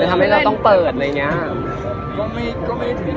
หรือทำให้เราต้องเปิด